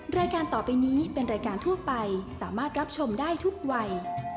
รายการต่อไปนี้เป็นรายการทั่วไปสามารถรับชมได้ทุกวัย